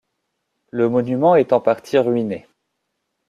Le monument est en partie ruiné.